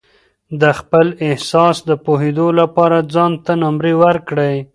د خپل احساس د پوهېدو لپاره ځان ته نمرې ورکړئ.